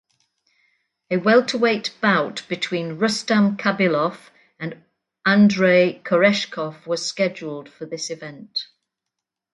A welterweight bout between Rustam Khabilov and Andrey Koreshkov was scheduled for this event.